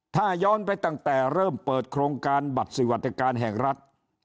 ถ้าย้อนไปตั้งแต่เริ่มเปิดโครงการบัตรสวัสดิการแห่งรัฐ